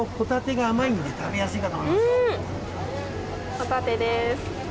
ホタテです！